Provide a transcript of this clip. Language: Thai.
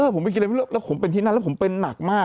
ผมไปกินอะไรแล้วผมเป็นที่นั่นแล้วผมเป็นหนักมาก